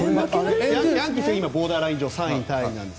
ヤンキースは今、ボーダーライン上で３位タイなんです。